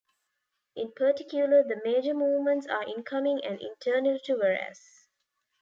In particular, the major movements are incoming and internally to Varese.